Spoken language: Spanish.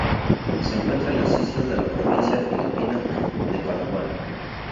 Se encuentra en las islas de la provincia filipina de Palawan.